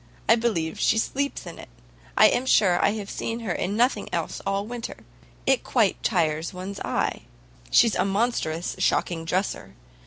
I believe she sleeps in it. I am sure I have seen her in nothing else all winter. It quite tires one's eye. She's a monstrous shocking dresser.